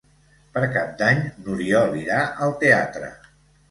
Per Cap d'Any n'Oriol irà al teatre.